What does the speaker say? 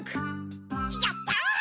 やった！